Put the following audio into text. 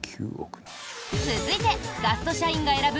続いてガスト社員が選ぶ